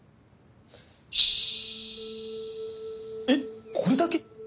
えっこれだけ！？